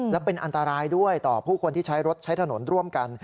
และเป็นอันตรายด้วยต่อผู้คนที่ใช้รถใช้ถนนร่วมกัน